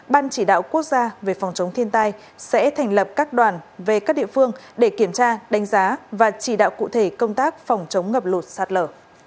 ban chỉ đạo quốc gia về phòng chống thiên tai sẽ thành lập các đoàn về các địa phương để kiểm tra đánh giá và chỉ đạo cụ thể công tác phòng chống ngập lụt sạt lở